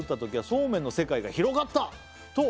「そうめんの世界が広がった！と」